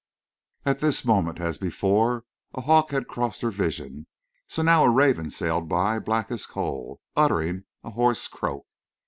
At this moment, as before, a hawk had crossed her vision, so now a raven sailed by, black as coal, uttering a hoarse croak.